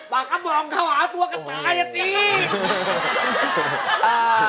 มาก็บอกเข้าหาตัวก๋าต่ายังติ๊ก